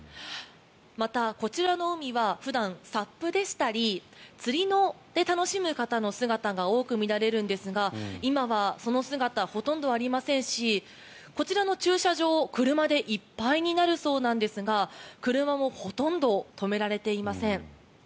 また、こちらの海は普段サップでしたり釣りで楽しむ方の姿が多く見られるんですが今はその姿はほとんど見られませんしこちらの駐車場車でいっぱいになるそうですが車もほとんど止められていません。